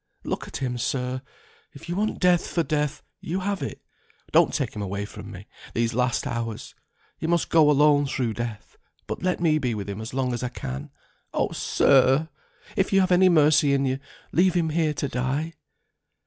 Look at him, sir. If you want Death for Death, you have it. Don't take him away from me these last hours. He must go alone through Death, but let me be with him as long as I can. Oh, sir! if you have any mercy in you, leave him here to die."